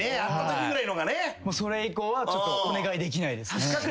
それ以降はお願いできないですね。